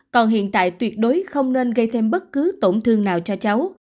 còn hiện tại tuyệt đối không nên gây thêm bất cứ tổn thương nào cho cháu